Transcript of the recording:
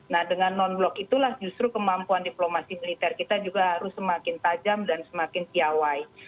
nah dengan non blok itulah justru kemampuan diplomasi militer kita juga harus semakin tajam dan semakin piawai